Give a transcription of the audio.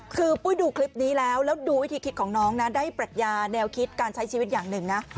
คือปุ้ยดูคลิปนี้แล้วแล้วดูวิธีคิดของน้องนะได้ปรัชญาแนวคิดการใช้ชีวิตอย่างหนึ่งนะ